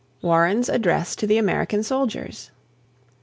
WARREN'S ADDRESS TO THE AMERICAN SOLDIERS.